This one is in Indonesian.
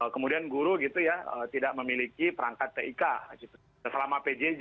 kemudian guru gitu ya tidak memiliki perangkat tik selama pjj